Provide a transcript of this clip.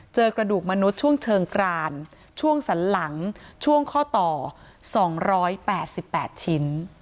เจอกระดูกมนุษย์ช่วงเชิงกรานช่วงสันหลังช่วงข้อต่อ๒๘๘ชิ้น